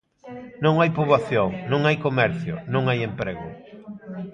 Non hai poboación, non hai comercio, non hai emprego.